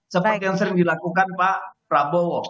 seperti yang sering dilakukan pak prabowo